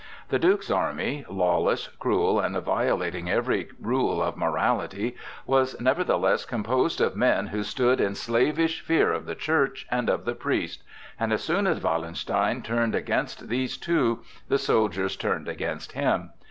The Duke's army, lawless, cruel, and violating every rule of morality, was nevertheless composed of men who stood in slavish fear of the Church and of the priest, and as soon as Wallenstein turned against these two, the soldiers turned against him.